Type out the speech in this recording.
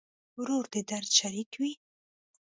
ورور د درد شریک وي.